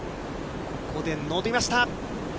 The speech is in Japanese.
ここで乗りました。